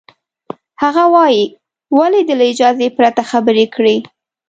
هغه وایي، ولې دې له اجازې پرته خبرې کړې؟